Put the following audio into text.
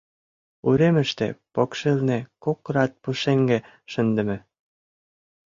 Уремыште, покшелне, кок рат пушеҥге шындыме.